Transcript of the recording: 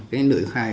cái nơi khai